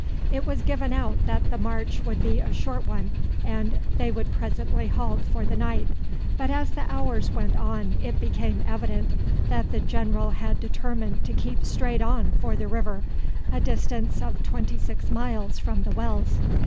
It was given out that the march would be a short one and they would presently halt for the night, but as the hours went on it became evident that the general had determined to keep straight on for the river, a distance of twenty six miles from the wells.